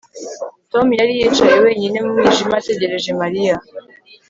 Tom yari yicaye wenyine mu mwijima ategereje Mariya